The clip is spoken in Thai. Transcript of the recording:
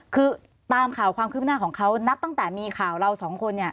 คือตามข่าวความคืบหน้าของเขานับตั้งแต่มีข่าวเราสองคน